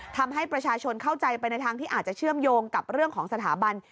ทำให้ประชาชนเข้าใจไปในทางที่อาจจะเชื่อมโยงกับเรื่องของสถาบัน